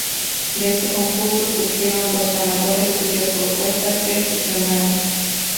De este concurso surgieron dos ganadores cuyas propuestas se fusionaron.